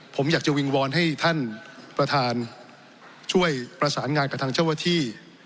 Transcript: ผมอยากจะวิงวอนให้ท่านประธานช่วยประสานงานกับทางเจ้าหน้าที่